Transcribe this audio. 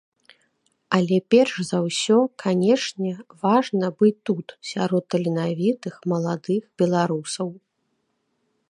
Але перш за ўсё, канечне, важна быць тут, сярод таленавітых маладых беларусаў.